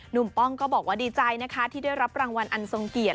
ป้องก็บอกว่าดีใจนะคะที่ได้รับรางวัลอันทรงเกียรติ